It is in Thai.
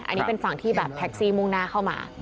อันนี้เป็นฝั่งที่แบบแท็กซี่มุ่งหน้าเข้ามา